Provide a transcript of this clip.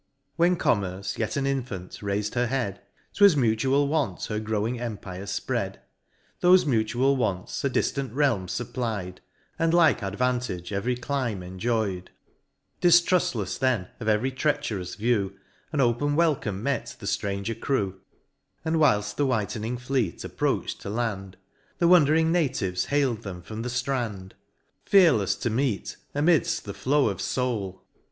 When Commerce, yet an infant, rais'd her head, 'Twas mutual want her growing empire fpread : Thofe mutual wants a diflant realm fupply'd, And like advantage every clime enjoy'd. Diftrufllefs then of every treacherous view. An open welcome met the ftranger crew ; C 2 And i6 MOUNT PLEASANT. And whilft the whitening fleet approach'd to land, The wondering natives hail'd them from the ftrand ; Fearlefs to meet, amidft the flow of foul.